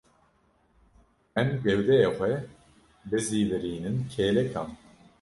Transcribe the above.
Em gewdeyê xwe bizîvirînin kêlekan.